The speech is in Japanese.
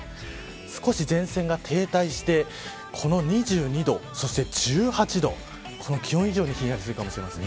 少し前線が停滞してこの２２度、そして１８度気温以上にひんやりするかもしれません。